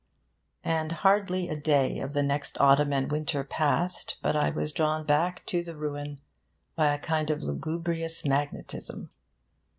And hardly a day of the next autumn and winter passed but I was drawn back to the ruin by a kind of lugubrious magnetism.